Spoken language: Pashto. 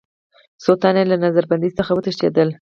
څو تنه یې له نظر بندۍ څخه وتښتېدل.